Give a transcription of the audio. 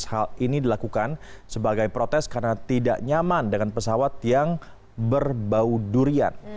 hal ini dilakukan sebagai protes karena tidak nyaman dengan pesawat yang berbau durian